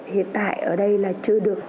hiện tại ở đây là chưa được